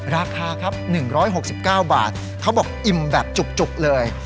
ราคาครับ๑๖๙บาทเขาบอกอิ่มแบบจุกเลย